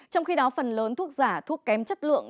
trong khi đó phần lớn thuốc giả thuốc kém chất lượng